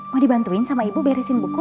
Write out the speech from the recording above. mau dibantuin sama ibu beresin buku